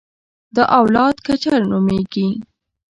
دا اولاد کچر نومېږي.